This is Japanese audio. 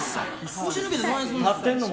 腰ぬけてどないすんねん。